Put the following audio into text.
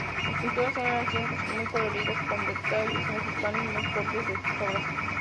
Sus pinturas eran siempre muy coloridas, con detalles mexicanos muy propios de sus obras.